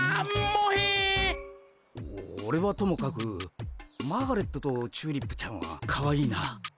オオレはともかくマーガレットとチューリップちゃんはかわいいな。